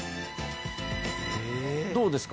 どうですか？